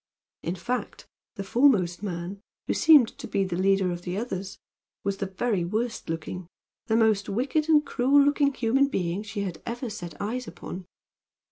In fact, the foremost man he who seemed to be the leader of the others was the very worst looking, the most wicked and cruel looking human being she had ever set eyes upon.